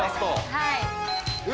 はい。